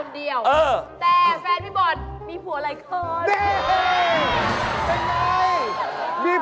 เดี๋ยวมาถอดชุดผัวซะดี